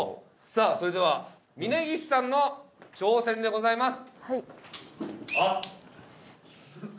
さあそれではトップバッター峯岸さんの挑戦でございます。